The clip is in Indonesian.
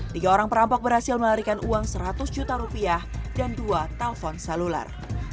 tiga orang perampok berhasil melarikan uang seratus juta rupiah dan dua telpon seluler